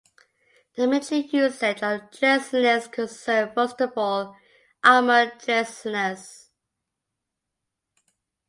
The military usage of draisines concerned, first of all, armoured draisines.